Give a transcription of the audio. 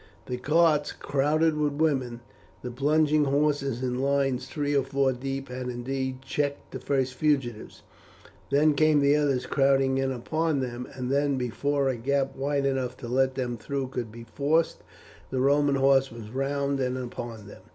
The carts crowded with women, the plunging horses in lines three or four deep had indeed checked the first fugitives; then came the others crowding in upon them, and then before a gap wide enough to let them through could be forced, the Roman horse were round and upon them.